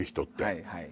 はいはい。